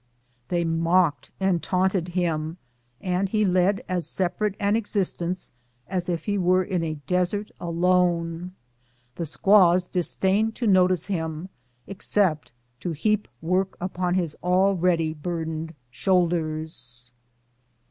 They mocked and taunted him, and he led as separate an existence as if he were in a desert alone. The squaws disdained to notice him, except to heap work upon his already burdened shoulders.